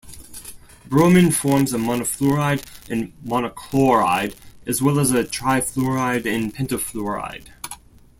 Bromine forms a monofluoride and monochloride, as well as a trifluoride and pentafluoride.